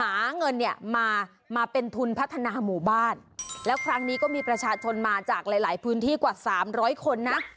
หาเงินเนี่ยมามาเป็นทุนพัฒนาหมู่บ้านแล้วครั้งนี้ก็มีประชาชนมาจากหลายหลายพื้นที่กว่าสามร้อยคนนะ